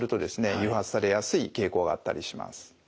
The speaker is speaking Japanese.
誘発されやすい傾向があったりします。